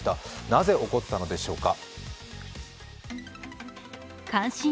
なぜ起こったのでしょうか？